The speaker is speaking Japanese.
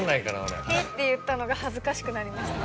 「へぇ」って言ったのが恥ずかしくなりました。